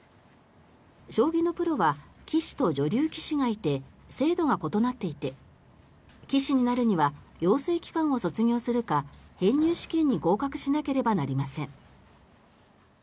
将棋のプロは棋士と女流棋士がいて制度が異なっていて棋士になるには養成機関を卒業するか編入試験に合格しなければなりません。